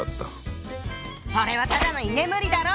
それはただの居眠りだろ！